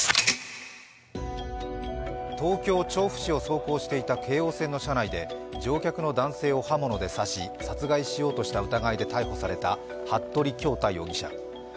東京・調布市を走行していた京王線の車内で乗客の男性を刃物で刺し、殺害しようとした疑いで逮捕された服部恭太容疑者。